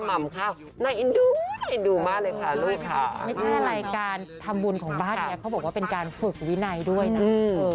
ทำบุญของบ้านแอฟเขาบอกว่าเป็นการฝึกวินัยด้วยนะ